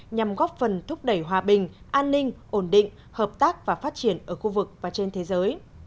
nhằm góp phần thúc đẩy hòa bình an ninh ổn định hợp tác và phát triển ở khu vực và trên thế giới